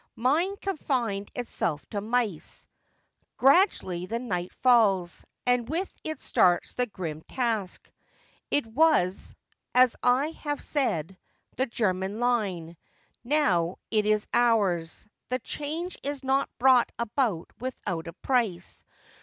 Mine confined itself to mice. ... Gradually the night falls, and with it starts THE AFTERMATH 171 the grim task. It was, as I have said, the German line — now it is ours ; the change is not brought about without a price.